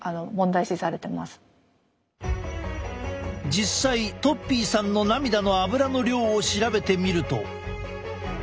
実際とっぴーさんの涙のアブラの量を調べてみると。